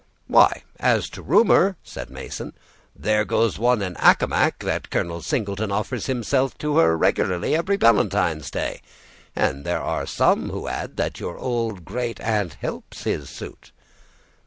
"Why, as to rumor," said Mason, "there goes one in Accomac, that Colonel Singleton offers himself to her regularly every Valentine's day; and there are some who add that your old great aunt helps his suit."